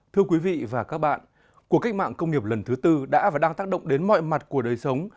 thưa quý vị và các bạn cuộc cách mạng công nghiệp lần thứ tư đã và đang tác động đến mọi mặt của đời sống